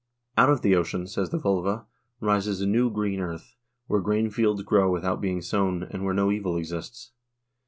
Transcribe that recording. Out of the ocean, says the vglva, rises a new green earth, where grain fields grow without being sown, and where no evil exists.